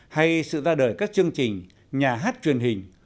hay sự ra đời các chương trình nhà hát truyền hình